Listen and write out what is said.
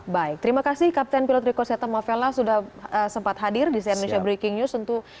baik terima kasih kapten pilot riko setan mavella sudah sempat hadir di cnn indonesia breaking news